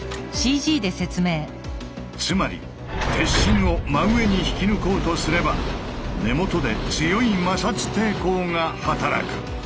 つまり鉄心を真上に引き抜こうとすれば根元で強い摩擦抵抗が働く。